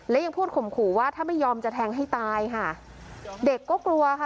และยังพูดข่มขู่ว่าถ้าไม่ยอมจะแทงให้ตายค่ะเด็กก็กลัวค่ะ